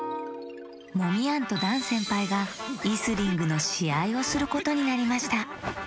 モミヤンとダンせんぱいがイスリングのしあいをすることになりました。